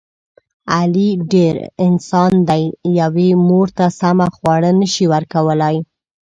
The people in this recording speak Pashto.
علي ډېر..... انسان دی. یوې مور ته سمه خواړه نشي ورکولی.